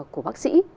của bác sĩ